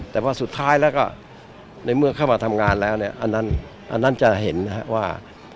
แต่พอสุดท้ายแล้วก็ในเมื่อเข้ามาทำงานแล้วเนี่ยอันนั้นจะเห็นว่า